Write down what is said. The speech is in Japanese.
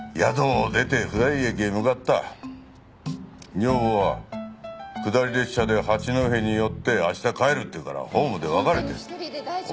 女房は下り列車で八戸に寄って明日帰るっていうからホームで別れたよ。